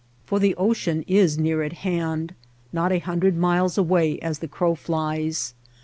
For the ocean is near at hand — not a hundred miles away as the crow flies.